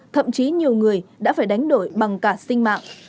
thậm chí nhiều người đã phải đánh đổi bằng cả sinh mạng